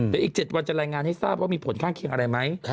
แต่อีก๗วันจะรายงานให้ทราบว่ามีผลข้างเคียงอะไรไหม